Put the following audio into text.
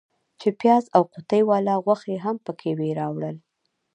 چې پیاز او قوطۍ والا غوښې هم پکې وې راوړل.